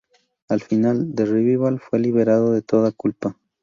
Al final, The Revival fue liberado de toda culpa.